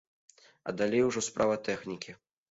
А далей ужо справа тэхнікі.